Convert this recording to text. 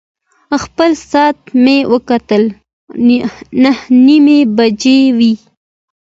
خپل ساعت مې وکتل، نهه نیمې بجې وې.